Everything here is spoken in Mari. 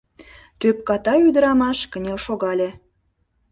Тӧпката ӱдырамаш кынел шогале.